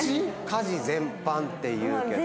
家事全般っていうけど。